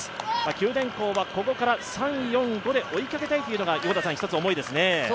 九電工はここから３、４、５で追いかけたいというのが思いですね。